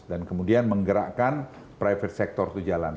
dan kemudian menggerakkan private sector itu jalan